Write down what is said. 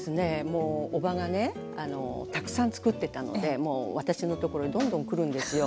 もうおばがねたくさん作ってたのでもう私のところにどんどん来るんですよ。